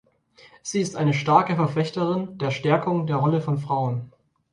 Sie ist eine starke Verfechterin der Stärkung der Rolle von Frauen.